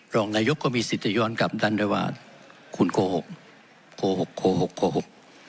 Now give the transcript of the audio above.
รองนายกก็มีสิทธิ์จะย้อนกลับด้านด้วยว่าคุณโกหกโกหกโกหกโกหก